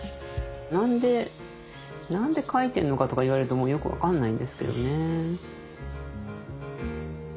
「何で書いてんのか」とか言われるともうよく分かんないんですけどね。